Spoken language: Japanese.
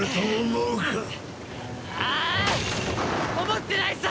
思ってないさ！